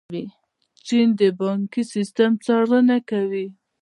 چین د بانکي سیسټم څارنه کوي.